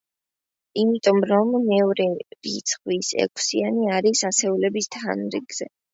იმიტომ, რომ მეორე რიცხვის ექვსიანი არის ასეულების თანრიგზე.